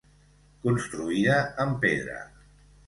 Construïda en pedra.